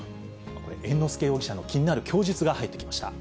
これ、猿之助容疑者の気になる供述が入ってきました。